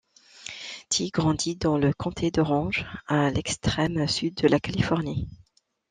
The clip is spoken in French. Ty grandit dans le Comté d'Orange, à l’extrême sud de la Californie.